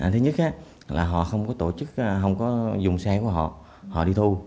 thứ nhất là họ không có dùng xe của họ họ đi thu